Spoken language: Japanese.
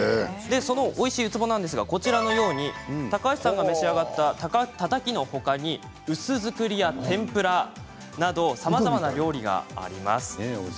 そのおいしいウツボなんですが高橋さんが召し上がったたたきの他に薄造りや天ぷらなどさまざまな料理があります。